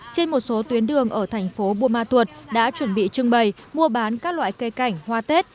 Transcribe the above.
trên một số tuyến đường ở thành phố buôn ma tuột đã chuẩn bị trưng bày mua bán các loại cây cảnh hoa tết